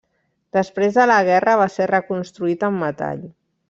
Després de la guerra va ser reconstruït en metall.